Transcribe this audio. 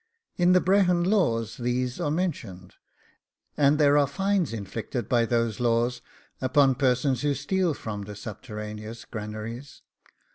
In the Brehon laws these are mentioned, and there are fines inflicted by those laws upon persons who steal from the subterraneous granaries.